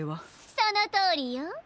そのとおりよ。